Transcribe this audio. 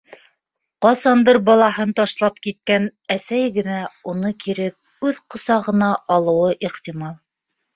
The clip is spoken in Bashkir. Ҡасандыр балаһын ташлап киткән әсәй генә уны кире үҙ ҡосағына алыуы ихтимал.